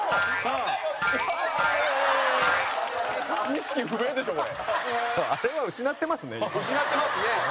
あれは失ってますね意識。